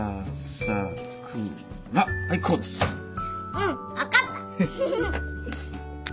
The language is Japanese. うん分かった。